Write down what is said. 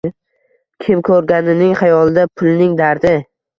Kim koʼrganning xayolida pulning dardi